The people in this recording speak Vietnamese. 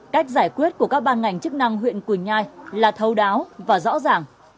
cách giải quyết của các ban ngành chức năng huyện quỳnh nhai là thấu đáo và rõ ràng